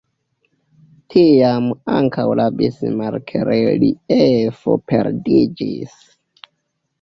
Tiam ankaŭ la Bismarck-reliefo perdiĝis.